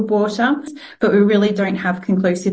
tapi kita belum memiliki bukti yang konklusif